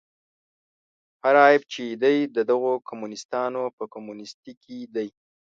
هر عیب چې دی د دغو کمونیستانو په کمونیستي کې دی.